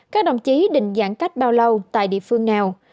các đồng chí định giãn cách bao lâu tại địa phương nào